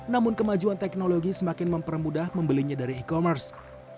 namun kemajuan teknologi semakin mempermudah membelinya dari e commerce